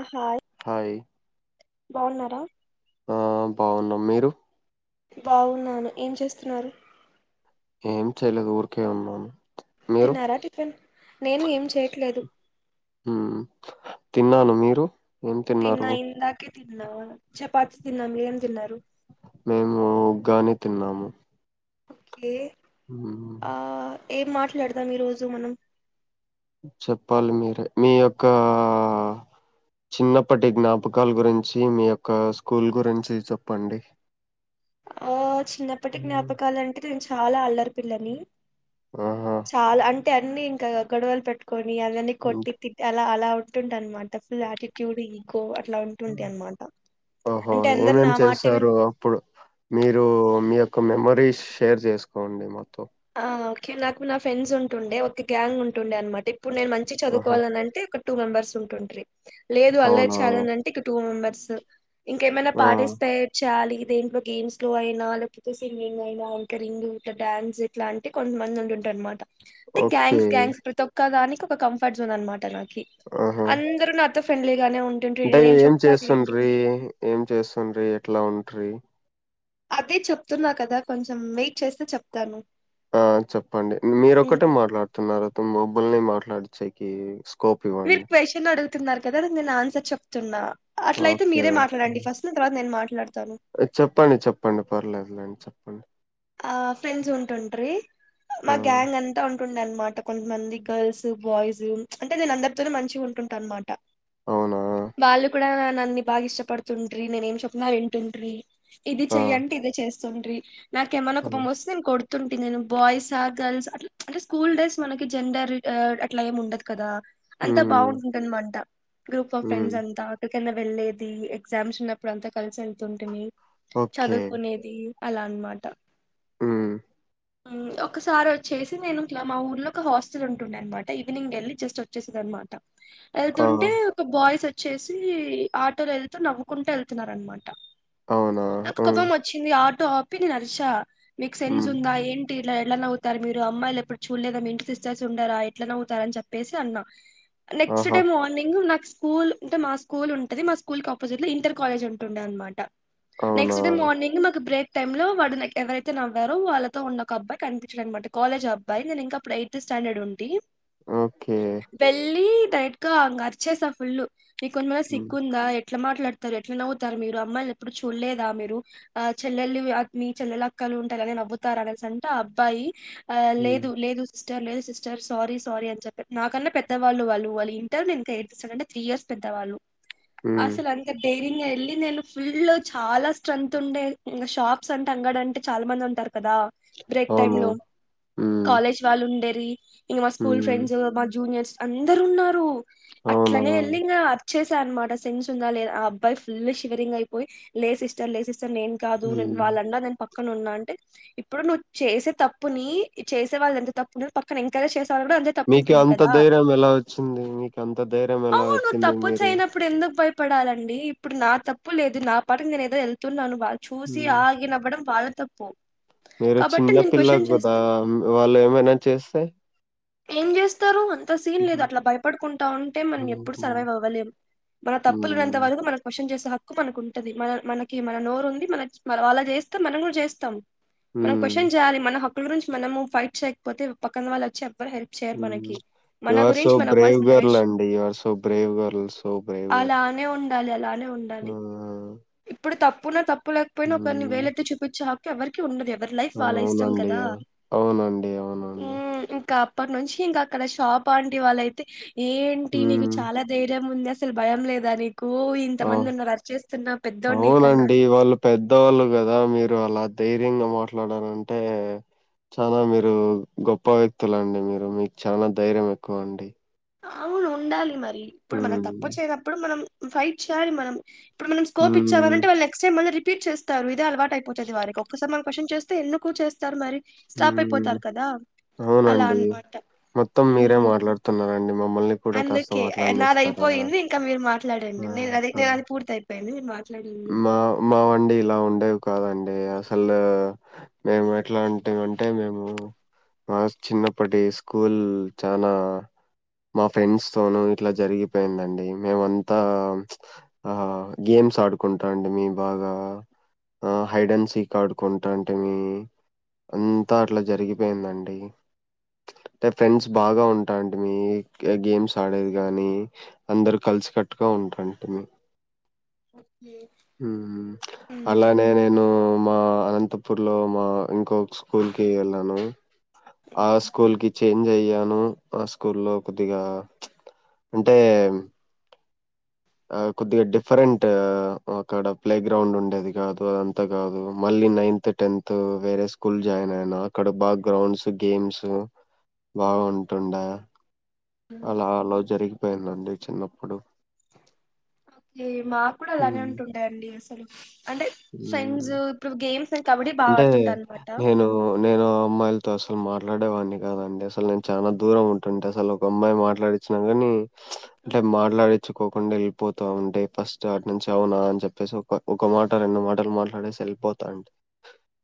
ఆ hi hi బాగున్నారా? ఆ బాగున్నాం. మీరు? బావున్నాను ఏం చేస్తున్నారు? ఏం చేయలేదు ఊర్కే ఉన్నాను. మీరు తిన్నారా టిఫిన్? నేను ఏం చేయట్లేదు. మ్ తిన్నాను. మీరు? ఏం తిన్న తిన్నారు ఇందాకే తిన్నా. చపాతి తిన్న, మీరేం తిన్నరు? మేము ఉగ్గాని తిన్నాము. ఓకే మ్ హు ఆ ఏం మాట్లాడుదం ఈ రోజు మనం! చెప్పాలి మీరే మీ యొక్కా చిన్నప్పటి జ్ఞాపకాల్ గురించి మీ యొక్క స్కూల్ గురించి చెప్పండి. ఆ చిన్నప్పటి మ్మ్. జ్ఞాపకలంటే నేను చాలా అల్లరి పిల్లనీ, ఆ హాఁ టే అన్నీ ఇంక గొడవలు పెట్టుకొని అదన్ని కొట్టి ఇంక- తిట్టి అలా అలా ఉంటుంటి అన్మాట ఫుల్ ఆటిట్యూడ్ ఈ ఓ అట్ల ఉంటుంటి అన్మాట ఓహో అంటే అందరు ఏమేం నా మాట విన్ చేశారు అప్పుడు మీరు మీ యొక్క మెమరీస్ షేర్ చేసుకోండి మొత్తం. ఆ ఓకే నాకు నా ఫ్రెండ్స్ ఉంటుండే, ఒక గ్యాంగ్ ఉంటుండే అన్మాట. ఇప్పుడు నేను మంచిగ ఆహా చదువుకోవాలనంటే ఒక టూ మెంబర్స్ ఉంటుంట్రి. లేదు అల్లరి అవునా చేయాలనంటే ఇంకో టూ మెంబర్ స్ ఇంకేమైనా ఆ పార్టిస్పేట్ చేయాలి దేంట్లో గేమ్స్ లో అయినా, లేకపోతే సింగింగ్ అయినా, యాంకరింగ్ ఇంక డ్యాన్స్ ట్లా అంటే కొంతమంది ఉంటుండే అన్మాట. టేఁ ఓకే గ్యాంగ్స్ గ్యాంగ్స్ ప్రతి ఒక్క దానికి ఒక కంఫర్ట్ జోన్ అన్మాట నాక్ కి ఆహా అందరు నాతో ఫ్రెండ్లీ అంటే ఏం చేస్తుండ్రి ఏం చేస్తుండ్రి ఎట్లా ఉంట్రి? అదే చెప్తున్న కదా కొంచెం వెయిట్ చేస్తే చెప్తాను. ఆ చెప్పండి మీరొక్కటే మాట్లాడుతున్నారు త మబ్బుల్నే మాట్లాడనిచ్చేకి మీరు క్వశ్చన్ అడుగుతున్నారు కదా నేను దాని ఆన్సర్ చెప్తున్నా అట్లయితే ఓకే. మీరే ఓకే. మాట్లాడండి ఫస్ట్ తర్వాత నేను మాట్లా చెప్పండి చెప్పండి పర్లేదులేండి చెప్పండి ఆ ఫ్రెండ్స్ ఆ! ఉంటుండే అనమాట కొంతమంది గర్ల్స్ బాయ్స్ అంటే నేను అందరితోను మంచిగా ఉంటుంటా అనమాట అవునా? వాళ్ళు కూడా నన్ని బాగా ఇష్టపడుతుంట్రి నేనేం చెప్పిన వింటుంట్రి ఇది ఆ! చెయ్యంటే ఇదే చేస్తుంట్రి నాకేమన్నా ఆ! కోపం వస్తే నేను కొడు తుంటి నేను బాయ్స్సా గర్ల్స్ అట్లా అంటే స్కూల్ డేస్ మనకి జెండర్ అట్లా ఏమి ఉండదు కదా అంత హ్మ్. బాగుంటుంటి అనమాట గ్రూప్ ఆఫ్ హ్మ్. ఫ్రెండ్స్ అంతా కన్నా వెళ్ళేది ఎగ్జామ్స్ ఉన్నప్పుడు అంతా కలిసి వెళ్తుంటిమి ఓకే. చదువుకునేది అలా అనమాట ఉ హా ఒకసారి వచ్చేసి నేను ఇట్లా మా ఊర్లో ఒక హాస్టల్ ఉంటుండే అనమాట ఈవినింగ్ వెళ్ళి జస్ట్ వచ్చేసేది అనమాట ఆ! వెళ్తుంటే ఒక బాయ్స్ వచ్చేసి ఆటోలో వెళ్తూ నవ్వుకుంటూ వెళ్తున్నారనమాట అవునా? నాకు హ్మ్. కోపం వచ్చింది ఆటో ఆపి నేను అరిచా మీకు సెన్స్ హ్మ్. ఉందా ఏం టి ఇలా ఎలా నవ్వుతారు మీరు అమ్మాయిలు ఎప్పుడు చూడలేదా మీ ఇంటి సిస్టర్స్ ఉండారా ఎట్లా నవ్తారని చెప్పేసి అన్నా నెక్స్ట్ ఆహా! డే మార్నింగ్ నాక్ స్కూల్ ఉంటే మా స్కూల్ ఉంటది మా స్కూల్ కపోజిట్ లో ఇంటర్ కాలేజ్ ఉంటుండే అనమాట అవునా? నెక్స్ట్ డే మార్నింగ్ మాకు బ్రేక్ టైంలో వాడు ఎవరైతే నవ్వారో వాళ్ళతో ఉన్న ఒక అబ్బాయి కనిపించడ అనమాటా కాలేజ్ అబ్బాయి నేనింకా అప్పుడు ఎయిత్ స్ట స్టాండెడ్ ఉంటి ఓకే. వెళ్ళి డైరెక్ట్ గా ఇంక అరిచేసా ఫుల్ మీకు కొంచమైనా హ్మ్. సిగ్గుందా ఎట్లా మాట్లాడతారు ఎట్లా నవ్వుతారు మీరు అమ్మాయిలు ఎప్పుడు చూడలేదా మీరు ఆ చెల్లెల్లి అత్ని చెల్లెల అక్కలు ఉంటాయి కదాని నవ్వుతారు అనేసి అంటే ఆ అబ్బాయి ఆ హ్మ్. లేదు లేదు సిస్టర్ లేదు సిస్టర్ సారీ సారీ అనీ చెప్పి నాకన్నా పెద్దవాళ్ళు వాళ్ళు వాళ్ళు ఇంటర్ నేనింకా ఎయితు సెకంటే అంటే త్రీ ఇయర్స్ పెద్దవాళ్ళు హ్మ్. అసలు అంత ధైర్యంగా వెళ్ళి నేను ఫుల్ చాల స్ట్రెంత్ ఉండే ఇంగా షాక్ శొంటి అంగడంటే చాలా మంది ఉంటారు కదా బ్రేక్ టైమ్ అవును. లో హ్మ్. కాలేజ్ వాళ్ ఉండే ఇంగ మా స్కూల్ హ్మ్. ఫ్రెండ్స్ మా జూనియర్స్ అందరు ఉన్నారు అవునా? అట్లనే ఎల్లి ఇంగ చేసా అనమాట సెన్స్ ఉందా లేద ఆ అబ్బాయి ఫుల్ షివరింగ్ అయిపోయి లేదు సిస్టర్ లే సిస్ నేను కాదు హ్మ్. వాళ్ళన్నారు నేను ప క్కన ఉన్నా అంటే ఇప్పుడు నువ్వు చేసే తప్పుని చేసే వాళ్ళ ఎంత తప్పున పక్కన ఎంకరేజ్ చేస్ అంతే తప్పు మీకు ఉంటుంది అంత కదా ధైర్యం ఎలా వచ్చింది? మీకు అంత ధైర్యం ఎలా అవును వచ్చింది? మీరు తప్పుచేయనప్పుడు ఎందుకు భయ పడాలండి ఇప్పుడు నా తప్పు లేదు నా పాటికీ నేను ఏదో వెళ్తున్నాను వాళ్ళు చూసి హ్మ్. ఆగినవ్వడం వాళ్ళ తప్పు మీరు కాబట్టి చిన్న నేను పిల్లవు క్వశ్చన్ కదా చేస్తా వాళ్ళు ఏమైనా చేస్తే ఏం చేస్తారు అంత సీన్ హుహు. లేదు అట్లా భయపడుకుంటా ఉంటే మనం ఎప్పుడు హుహు. సర్వైవ్ అవ్వలేం మన తప్పులున్నంత హ్మ్. వరకు మనం క్వశన్ చేసే హ హాక్కు మనకు ఉంటది మన మనకి మన నోరు ఉంది మనకి మనం అలా చేస్తూ మనం కూడా చేస్తాం మనం హ్మ్. క్వశ్చన్ చేయాలి మన హక్కుల గురించి మనము ఫైట్ చేయకపోతే పక్కన వాళ్ళు వచ్చెం ఎవరు హెల్ప్ చేయ్యరు హ్మ్. మనకి యూ ఆర్ సో మన బ్రేవ్ గర్ల్ వాయిస్ అండి you are so brave girl so brave అలా గర్ల్ అలానే ఉండాలి అలానే ఉండాలి ఆ ఇప్పుడు తప్పున్న తప్పులేకపోయినా ఒకరిని హ్మ్. వేలత్తే చూపించే హక్కు ఎవరికి ఉండదే ఎవరి లైఫ్ వాలా ఇష్టం అవునండి. కదా అవునండి. అవునండి. ఇంకా అప్పటి నుంచి ఇంక అక్కడ షాప్ అంటి వాళ్ళయితే ఏంటి నీకు హ్మ్. చాలా ధైర్యం ఉంది అసలు భయం లేదా నీకు ఆ! ఇంతమంది ఉన్నారు అరిచేస్తున్నా పెద్దోడు నీకన్నా గ దా మీరు అలా ధైర్యంగా మాట్లాడాలంటే చాలా మీరు గొప్ప వ్యక్తుల అండి మీరు మీకు చాలా ధైర్యం ఎక్కువ అండి అవును ఉండాలి మరి ఇప్పుడు మనం తప్పు హ్మ్ చేయనప్పుడు మనం ఫైట్ చేయాలి మనం ఇప్పుడు మనం స్కోప్ ఇచ్చావ హ్మ్ నంటే వాళ్ళు నెస్ట్ టైమ్ రిపీట్ చేస్తారు ఇదే అలవాటు అయిపోతది వారికి ఒకసారి మనం కశ్నన్ చేస్ తే ఎందుకు చేస్తారు మరి స్టాప్ హ్మ్ అయిపోతారు కదా అలా అవునండి. అన్నమాట మొత్తం ఉ మీరే మాట్లాడుతున్నారండి మమ్మల్ని కూడా కాస్త అందుకే నాది మాట్లాడనిస్తారా? అయిపోయింది ఇంకా మీరు ఆ మాట్లాడండి నేను అది ఆ నేను అది పూర్తి అయిపోయి నేను మీ మాట్ మా మా వండి ఇలా ఉండేవి కాదండి అంటే అసలు మేము ఎట్లాంటిమ్ అంటే మేము మా చిన్నప్పటి స్కూల్ చనా మా ఫ్రెండ్స్ తోనూ ఇట్లా జరిగిపోయిందండి మేము అంతా ఆ గేమ్స్ ఆడు కుంటాంటని మీ బాగా ఆ హైడన్సీ కు ఆడుకుంటాంటి మీ అంతా అట్లా జరిగిపోయిందండి అంటే ఫ్రెండ్స్ బాగా ఉంటాంట మీ గేమ్స్ ఆడేది గానీ అందరు కత్ కలిసికట్టుగా ఉంటంటే మీ ఓకే ఉహు అలానే నేను మా అనంతపూర్ లో మా ఇంకో ఒక స్కూల్ కి వెళ్ళాను ఆ స్కూల్ కి చేంజ్ అయ్యాను ఆ స్కూల్ లో కొద్దిగా అంటే ఆ కొద్దిగా డిఫరెంట్. అక్కడ ప్లే గ్రౌండ్ ఉండేది కాదు. అదంతా కాదు మళ్ళీ ఈ నైన్త్, టెన్త్ వేరే స్కూల్ జాయిన్ అయిన అక్కడ బాగా గ్రౌండ్స్ గేమ్స్ బాగుంటుండే అలా అలా జరిగిపోయిందండి చిన్నప్పుడు ఇది మాకు కూడా అలానే ఉమ్ ఉంటుండేయండి అసలు అంటే ఉమ్ ఫ్రెండ్స్ ఇప్పుడు గేమ్ అంటే నేను. నేను అమ్మాయిలు తో అసలు మాట్లాడేవాడిని కాదండి. అసలు నేను చాలా దూరం ఉంటుండే అసలు ఒక అమ్మాయి మాట్లాడిచ్చిన గాని అంటే మాట్లాడిఇత్ తెచ్చుకోకుండా వెళ్ళిపోతూ ఉంటే ఫస్ట్ అటు నుంచి అవునా అని చెప్పేసి ఒక ఒక మాట రెండు మాటలు మాట్లాడేసి వెళ్ళిపోతాండి.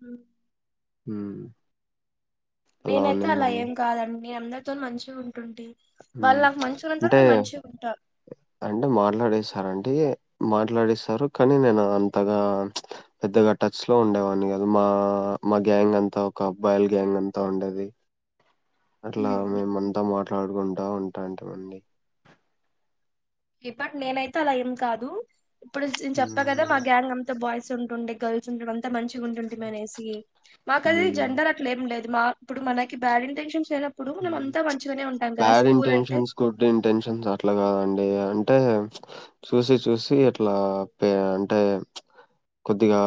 ఉ ఉ నేనైతే అలా ఏం కాదండి నేను అందరితో మంచిగా ఉంటుంటి. ఉ వాళ్ళు నాకు మంచిగా ఉన్నంత అంటే. వరకు నేను మంచిగా ఉంటా అంటే మాట్లాడేసి హర్ ఆంటీ మాట్లాడిస్తారు కానీ నేను అది అంతగా పెద్దగా టచ్ లో ఉండేవాని కాదు. మా మా గ్యాంగ్ అంతా ఒక అబ్బాయిల్ గ్యాంగ్ అంతా ఉండేది అట్లా మేమంతా మాట్లాడుకుంటా ఉంటాంటిమండి. ఇప్పటు నేనైతే అలా ఏం కాదు ఇప్పుడు నేను చెప్పా కదా హ్మ్. మా గ్యాంగ్ అంతా బాయ్స్ గర్ల్స్ ఉంటుండే గర్ల్స్ ఉండడంతో అంత మంచిగా ఉంటుంటి మనేసి మాకు అది హ్మ్. జెండర్ అట్లా ఏంలేదు మా ఇప్పుడు మనకి బ్యాడ్ ఇంటెన్షన్స్ లేనప్పుడు మనం ఉ అంతా మంచిగానే ఉంటాం కదా బ్యాడ్ స్కూల్ అంటే ఇంటెన్షన్స్, గుడ్ ఇంటెన్షన్స్ అట్లా కాదన్ ఇయ్య అంటే చూసి చూసి అట్లా పే అంటే కొద్దిగా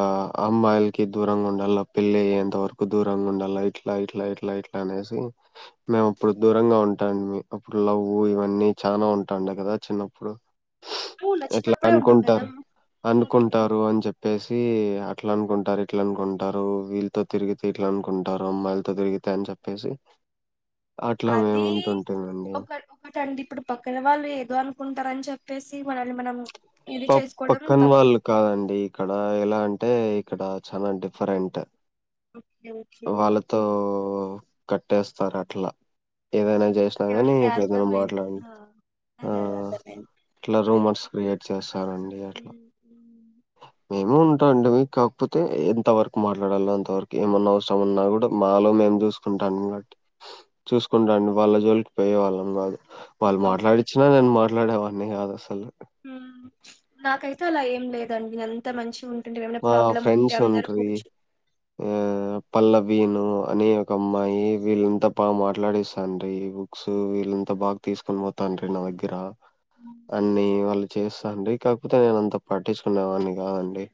అమ్మాయిలకి దూరంగా ఉండాలా పెళ్ళి అయ్యేంత వరకు దూరంగా ఉండాలా ఇట్లా ఇట్లా ఏ ఇట్లా ఇట్లా అనేసి మేము ఇప్పుడు దూరంగా ఉంటాండిమి. అప్పుడు లవ్వు ఇవన్నీ చాలా ఉంటాండే కదా చిన్నప్పుడు నువ్వు ఇట్లా నచ్చినప్పుడే ఉంటుండేనా అనుకుంటారు. ఓకే, అనుకుంటారు అని చెప్పేసి ఆ అట్లా అనుకుంటారు ఇట్లా అనుకుంటారు వీళ్ళతో తిరిగితే ఇట్లా అనుకుంటారు అమ్మాయిలతో తిరిగితే అని చెప్పేసి అట్లా అది మేముంటుంటిమండి. ఒక ఒకటండి ఇప్పుడు పక్కన వాళ్ళు ఏదో అనుకుంటు ఉంటావని చెప్పేసి మనల్ని మనం ఇది ప చేసుకోవడం పక్కన తప్పు వాళ్ళు కాదండి ఇక్కడ ఎలా అన్ టే ఇక్కడ చాల డిఫరెంట్ ఓకే ఓకే వాళ్ళతో కట్టేస్తారు. అట్లా ఏవైనా చేసినా ఓకే కాని ఓకే ఇప్పుడు ఏదైనా అర్థమైంది మాట్లాడు ఆ, అదే అదే అర్థమైంది. అదే క్రియేట్ చేస్తారండి ఉ అట్లా ఉ మేము ఉంటాం అండి కాకపోతే ఎంత వరకు మాట్లాడాలో అంత వరకు ఏమన్నా అవసరమన్నా కూడా మా మాలో మేము చూసుకుంటాం కాబట్టి చూసుకుంటాండి వాళ్ళ జోలికి పోయేవాళ్ళం కాదు వాళ్ళు ఓకే మాట్లాడిచ్చినా నేను మాట్లాడేవాన్నీ కాదు అసలు హ్మ్ నాకైతే అలా ఏం లేదండి. అంత మంచి ఉంట మా ఫ్రెండ్స్ ఉంట్రి ఆ పల్లవీను అని ఒక అమ్మాయి వీళ్ళంతా బాగా మాట్లాడిస్తాట్రి ఈ బుక్స్ వీళ్ళంతా బాగా తీసుకొని పోతా అండి నా దగ్గరా మ్మ్ అన్ని వాళ్ళు చేస్తాండి. కాకపోతే నేను అంత పట్టించుకునేవాన్ని కాదండి.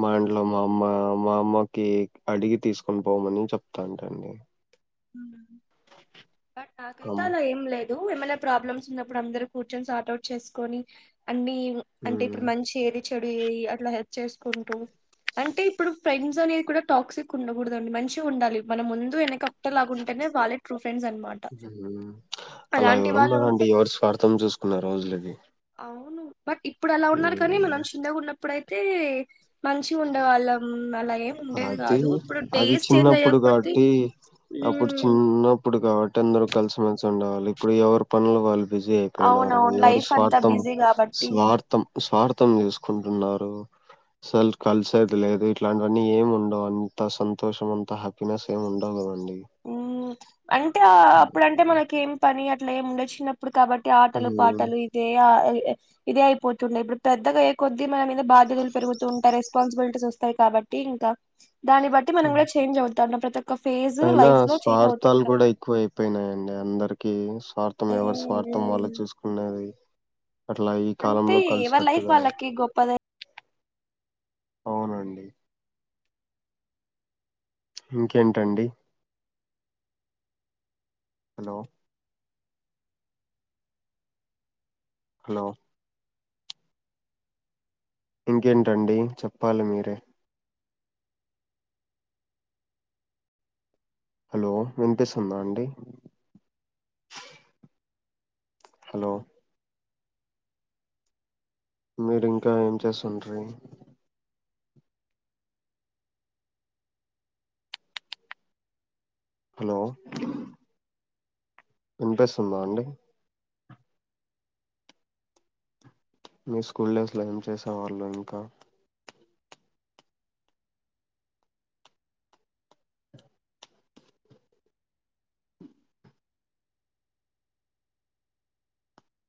మాఇడ్లో మా అమ్మా మా అమ్మకి అడిగి తీసుకొని పోమని చెప్తాంటండి. బట్ నాకైతే హ్మ్. అలా ఏం లే ఏమైనా ప్రాబ్లమ్స్ ఉన్నప్పుడు అందరూ కూర్చొని సార్ట్ అవుట్ చేసుకొని అన్ని అంటే హ్మ్. ఇప్పుడు మంచి ఏది చెడు ఏది అట్లా హెల్ప్ చేసుకుంటూ అంటే ఇప్పుడు ఫ్రెండ్స్ అనేది కూడా టాక్సిక్ ఉండకూడదు అండి. మంచిగా ఉండాలి మన ముందు వెనక ఒకే లాగుంటేనే వాళ్ళే ట్రూ ఫ్రెండ్స్ అన్నమాట. హ్మ్. అలా ఎవరున్నారండి. ఎవరి స్వార్థం చూసుకునే రోజులు ఇవి అవును బట్ ఇప్పుడు అలా ఉన్నారు కానీ మనం చింనాగా ఉన్నప్పుడయితే మంచి ఉండేవాళ్ళం అలా ఏం ఉండేది అది కాదు ఇప్పుడు అది డేస్ చేంజ్ చిన్నప్పుడు అయ్యకోద్ది కాబట్టి అప్పుడు చిన్నప్పుడు కాబట్టి అందరు కలిసిమెలిసి ఉండవాలి ఇప్పుడు ఎవరి పనులు వాళ్ళు బిజీ అయిపోయినారు అవునవును ఎవరి లైఫ్ అంతా స్వార్థం బిజీ కాబట్టి స్వార్థం స్వార్థం చుసుకుంటున్నారు స్ల్ కలిసేది లేదు ఇట్లాంటివన్నీ ఏం ఉండవు అంత సంతోషం అంత హ్యాపీనెస్ ఏమి ఉండవు కదండి అంటే అప్పుడంటే మనక ఏం పని అట్లా ఏమి ఉండ చిన్నప్పు ఇప్పుడు కాబట్టి ఆటలు హ్మ్ పాటలు ఇదే ఇదే అయిపోతుండయి ఇప్పుడు పెద్దగా కొద్ది మనం బాధ్యతలు పెరుగుతు ఉంటాయి రెస్పాన్సిబిలిటీస్ వస్తాయి కాబట్టి ఇంకా దాన్ని బట్టి మనం కూడా చేంజ్ అవు ప్రత్య ఒక్క ఫేజ్ అయినా లైఫ్ లో చేంజ్ స్వార్థాలు అవుతుంటాం కూడా ఎక్కువ అయిపోయినాయి అండి అందరికి స్వార్థం ఎవరి మ్మ్ స్వార్థం వల్ల మ్మ్ చూసుకునేది అట్లా ఈ అంతే కాలంలో ఎవరి లైఫ్ కలిసికట్టుగా వాళ్ళకి గొప్పది అవునండి ఇంకేంటండి హలో హలో ఇంకేంటండి చెప్పాలి మీరే హలో వినిపిస్తుందా అండి హలో మీరింకా ఏం చేస్తుండి హలో వినిపిస్తుందా అండి మీ స్కూల్ డేస్ లో ఏం చేసా వాళ్ళు ఇంకా